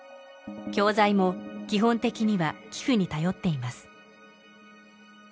教材も基本的には寄付に頼っています